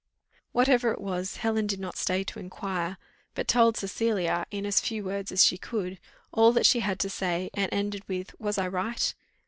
Whatever it was, Helen did not stay to inquire, but told Cecilia, in as few words as she could, all that she had to say; and ended with "Was I right?"